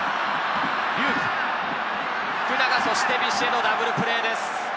龍空、福永、ビシエド、ダブルプレーです。